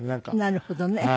なるほどね。